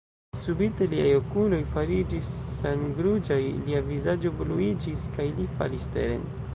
Subite liaj okuloj fariĝis sangruĝaj, lia vizaĝo bluiĝis, kaj li falis teren.